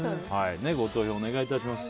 ご投票お願いいたします。